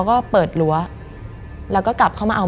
มันกลายเป็นรูปของคนที่กำลังขโมยคิ้วแล้วก็ร้องไห้อยู่